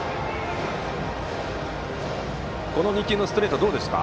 今の２球のストレートはどうですか？